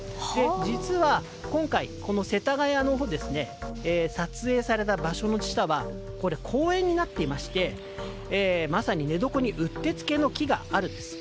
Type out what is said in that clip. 実は今回、世田谷の撮影された場所の下は公園になっていましてまさに寝床にうってつけの木があるんです。